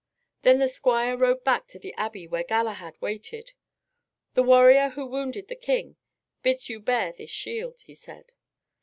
Then the squire rode back to the abbey where Galahad waited. "The warrior who wounded the King bids you bear this shield," he said.